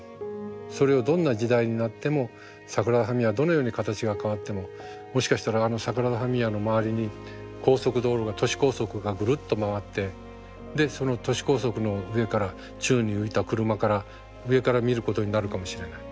それをどんな時代になってもサグラダ・ファミリアがどのように形が変わってももしかしたらあのサグラダ・ファミリアの周りに高速道路が都市高速がぐるっと回ってでその都市高速の上から宙に浮いた車から上から見ることになるかもしれない。